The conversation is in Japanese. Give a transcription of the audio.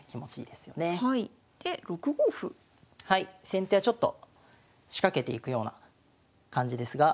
先手はちょっと仕掛けていくような感じですが。